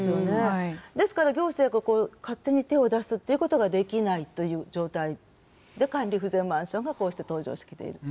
ですから行政がここを勝手に手を出すっていうことができないという状態で管理不全マンションがこうして登場してきている。